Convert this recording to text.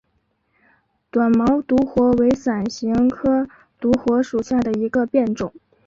短毛独活为伞形科独活属下的一个变种。